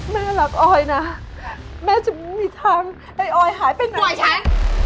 แม่รักออยนะแม่จะมีทางให้ออยหายไปไหนปล่อยฉัน